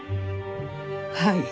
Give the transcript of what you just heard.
はい。